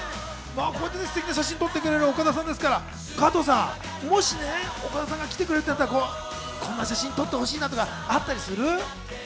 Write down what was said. こういったステキな写真を撮ってくれる岡田さんですから、加藤さん、もしね、岡田さん来てくれたら、こんな写真撮ってほしいなとかあったりする？